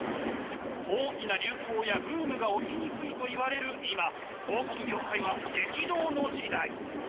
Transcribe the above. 大きな流行やブームが起きにくいといわれる今広告業界は激動の時代。